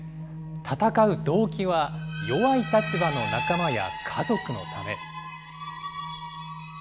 戦う動機は、弱い立場の仲間や家族のため。